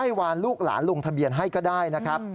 วานลูกหลานลงทะเบียนให้ก็ได้นะครับ